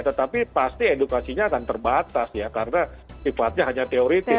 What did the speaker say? tetapi pasti edukasinya akan terbatas ya karena sifatnya hanya teoritis